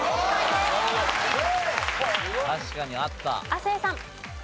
亜生さん。